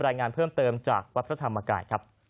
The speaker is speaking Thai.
รายงานเพิ่มเติมจากวัดพระธรรมกายครับ